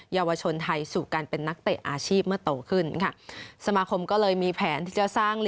เยาวชนไทยสู่การเป็นนักเตะอาชีพเมื่อโตขึ้นค่ะสมาคมก็เลยมีแผนที่จะสร้าง